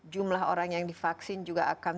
jumlah orang yang divaksin juga akan